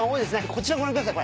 こちらご覧ください